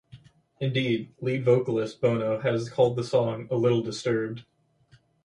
Indeed, lead vocalist Bono has called the song "a little disturbed".